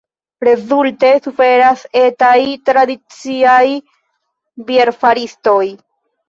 Rezulte suferas etaj, tradiciaj bierfaristoj.